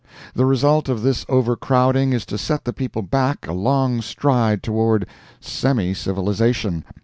The result of this over crowding is to set the people back a long stride toward semi civilization.